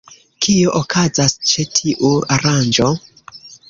Kio okazas ĉe tiu aranĝo?